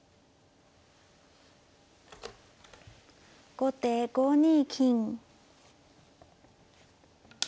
後手５二金。